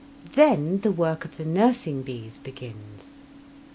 Then the work of the nursing bees begins.